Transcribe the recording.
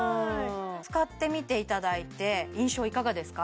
使ってみていただいて印象いかがですか？